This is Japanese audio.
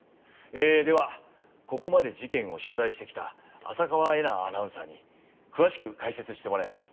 えぇではここまで事件を取材してきた浅川恵那アナウンサーに詳しく解説してもらいます